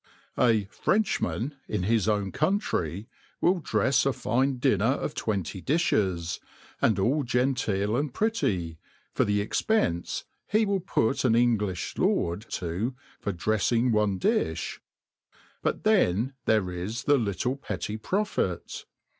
A Frenchman in his own coumtry will drefs a fine din* net of twenty dijhes^ and all genteel and pretty^ for the ex^ pence he will put an Englifh lord to for drejpng one dijb» But then there is the little petty profit.